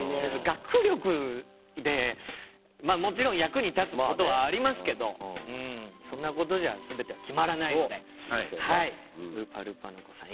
学力でまあもちろん役に立つことはありますけどそんなことじゃ全ては決まらないのでウーパールーパーの子さん